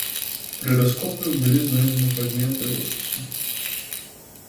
Пры раскопках былі знойдзены фрагменты роспісу.